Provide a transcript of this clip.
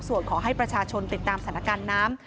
ส่วนขอให้ประชาชนติดตามสถานการณ์น้ำ